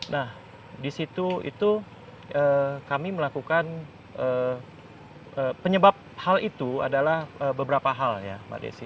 nah di situ itu kami melakukan penyebab hal itu adalah beberapa hal ya mbak desi